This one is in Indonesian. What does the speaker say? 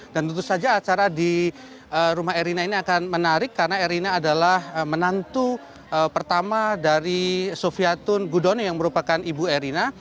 dan tentu saja acara di rumah erina ini akan menarik karena erina adalah menantu pertama dari sofiatun gudono yang merupakan ibu erina